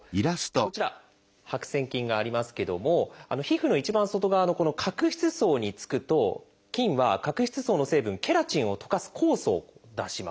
こちら白癬菌がありますけども皮膚の一番外側のこの角質層につくと菌は角質層の成分ケラチンを溶かす酵素を出します。